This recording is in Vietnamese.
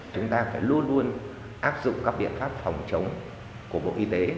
chúng ta phải luôn luôn áp dụng các biện pháp phòng chống của bộ y tế